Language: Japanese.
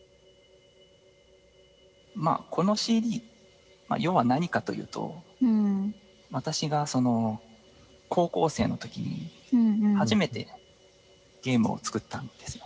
まあこのＣＤ要は何かというと私が高校生のときに初めてゲームを作ったんですよ。